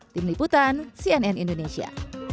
tim liputan cnn indonesia